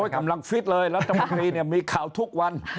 กำลังฟิตเลยรัฐมนตรีเนี่ยมีข่าวทุกวัน